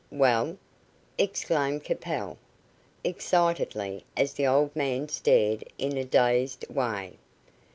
"Well?" exclaimed Capel, excitedly, as the old man stared in a dazed way.